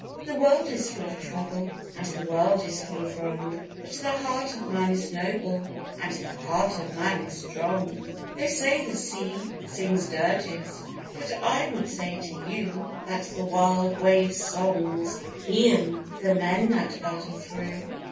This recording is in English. The world is full of trouble, And the world is full of wrong, But the heart of man is noble, And the heart of man is strong! They say the sea sings dirges, But I would say to you That the wild wave's song's a pæan For the men that battle through.